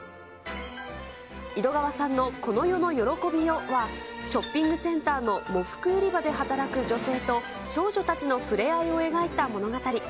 井戸川さんのこの世の喜びよは、ショッピングセンターの喪服売り場で働く女性と少女たちの触れ合いを描いた物語。